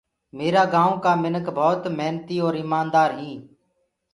ميرآ گائونٚ ڪآ مِنک ڀوت مهنتي اور ايماندآر هينٚ